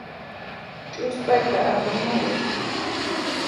Ch'uspayta apamuway.